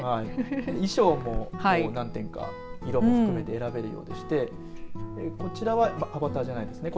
衣装も何点か色も含めて選べるようでしてこちらはアバターじゃないですね。